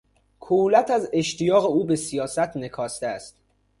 کهولت از اشتیاق او به سیاست نکاسته است.